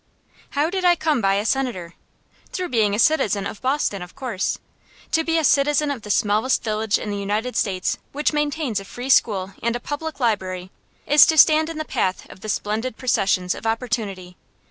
How did I come by a Senator? Through being a citizen of Boston, of course. To be a citizen of the smallest village in the United States which maintains a free school and a public library is to stand in the path of the splendid processions of opportunity.